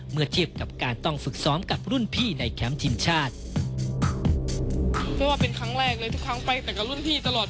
เมื่อเทียบกับการต้องฝึกซ้อมกับรุ่นพี่ในแคมป์ทีมชาติเพราะว่าเป็นครั้งแรกเลยทุกครั้งไปแต่กับรุ่นพี่ตลอด